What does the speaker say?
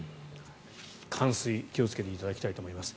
冠水に気をつけていただきたいと思います。